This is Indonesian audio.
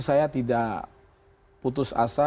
saya tidak putus asa